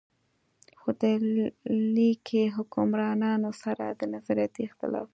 خو د ليګي حکمرانانو سره د نظرياتي اختلاف